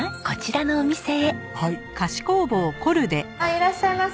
いらっしゃいませ！